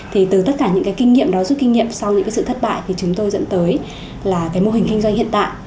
thì từ tất cả những cái kinh nghiệm đó rút kinh nghiệm sau những cái sự thất bại thì chúng tôi dẫn tới là cái mô hình kinh doanh hiện tại